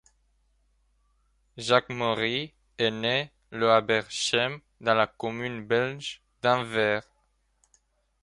Jacques Maury est né le à Berchem, dans la commune belge d'Anvers.